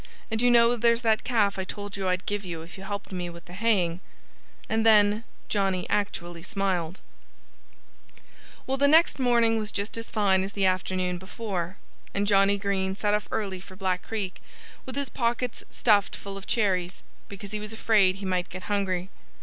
"And you know there's that calf I told you I'd give you if you helped me with the haying." And then Johnnie actually smiled. Well, the next morning was just as fine as the afternoon before. And Johnnie Green set off early for Black Creek, with his pockets stuffed full of cherries, because he was afraid he might get hungry.